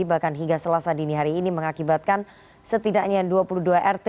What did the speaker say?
bahkan hingga selasa dini hari ini mengakibatkan setidaknya dua puluh dua rt